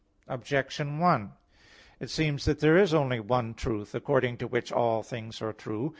Objection 1: It seems that there is only one truth, according to which all things are true.